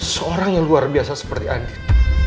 seorang yang luar biasa seperti andi